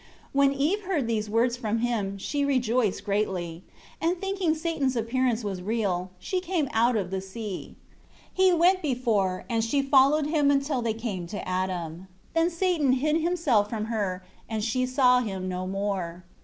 8 When Eve hear these words from him, she rejoiced greatly. And thinking Satan's appearance was real, she came out of the sea. 9 He went before, and she followed him until they came to Adam. Then Satan hid himself from her, and she saw him no more.